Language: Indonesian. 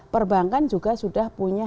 perbankan juga sudah punya